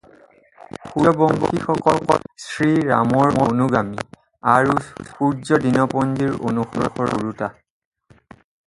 সূৰ্যবংশীসকল শ্ৰী ৰামৰ অনুগামী আৰু সূৰ্য দিনপঞ্জীৰ অনুসৰণ কৰোঁতা।